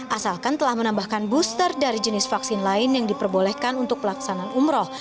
asalkan telah menambahkan booster dari jenis vaksin lain yang diperbolehkan untuk pelaksanaan umroh